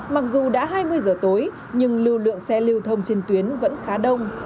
mặc dù đã hai mươi giờ tối nhưng lưu lượng xe lưu thông trên tuyến vẫn khá đông